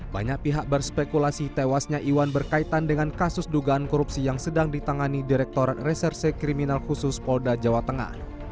banyak pihak berspekulasi tewasnya iwan berkaitan dengan kasus dugaan korupsi yang sedang ditangani direkturat reserse kriminal khusus polda jawa tengah